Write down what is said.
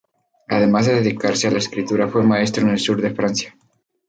Antes de dedicarse a la escritura fue maestro en el sur de Francia.